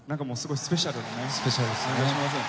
スペシャルですよね。